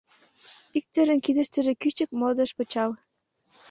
Иктыжын кидыштыже кӱчык модыш пычал.